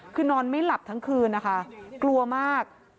คือนอนไม่หลับทั้งคืนนะคะกลัวมาก